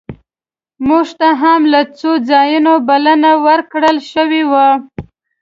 مونږ ته هم له څو ځایونو بلنه راکړل شوې وه.